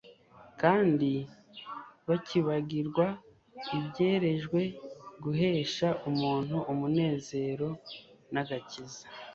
kandi bakibagirwa ibyerejwe guhesha umuntu umunezero nagakiza